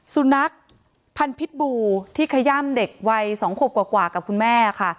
สุนัขพันธ์พิษบูที่ขย่ำเด็กวัย๒ขวบกว่ากับคุณแม่ค่ะ